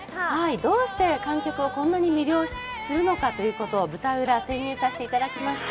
どうして観客をこんなに魅了するのかということを舞台裏に潜入させていただきました。